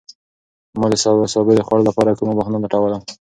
ما د سابو د خوړلو لپاره کومه بهانه لټوله.